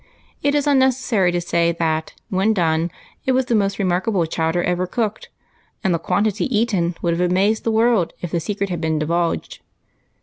ROSE'S SACRIFICE, 109 It is unnecessary to say that, when done, it was the most remarkable cliowder ever cooked, and the quan tity eaten would have amazed the world if the secret had been divulged.